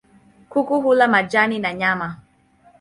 Kuku hula majani na nyama.